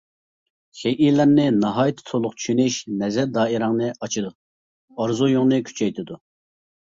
شەيئىلەرنى ناھايىتى تولۇق چۈشىنىش نەزەر دائىرەڭنى ئاچىدۇ، ئارزۇيۇڭنى كۈچەيتىدۇ.